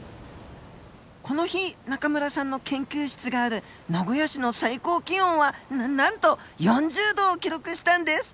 この日中村さんの研究室がある名古屋市の最高気温はなんと４０度を記録したんです。